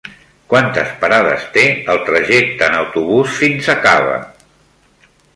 Quantes parades té el trajecte en autobús fins a Cava?